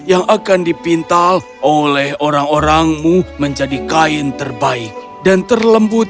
yang akan dipintal oleh orang orangmu menjadi kain terbaik dan terlembut